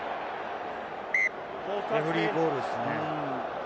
レフェリーボールですね。